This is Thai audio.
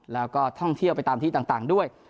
แล้วก็ท่องเที่ยวไปตามที่ต่างด้วย